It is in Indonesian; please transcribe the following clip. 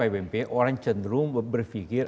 setiap apbnp orang cenderung berpikir